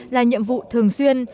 là nhiệm vụ thường xuyên